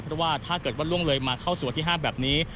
เพราะว่าถ้าเกิดว่าล่วงเลยมาเข้าสู่วันที่๕แบบนี้